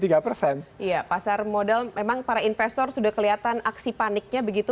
iya pasar modal memang para investor sudah kelihatan aksi paniknya begitu